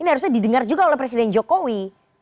ini harusnya didengar juga oleh presiden jokowi